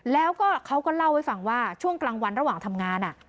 แล้วก็เขาก็เล่าให้ฟังว่าช่วงกลางวันระหว่างทำงาน